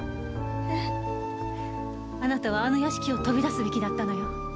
あなたはあの屋敷を飛び出すべきだったのよ。